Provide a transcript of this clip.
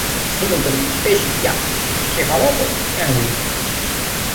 Si nutre di pesci piatti, cefalopodi e anguille.